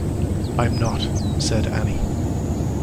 “I’m not,” said Annie.